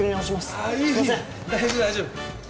大丈夫大丈夫。